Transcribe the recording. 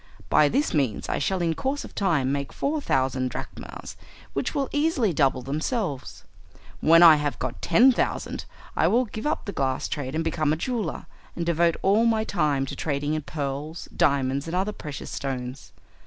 By this means I shall in course of time make four thousand drachmas, which will easily double themselves. When I have got ten thousand I will give up the glass trade and become a jeweller, and devote all my time to trading in pearls, diamonds, and other precious stones.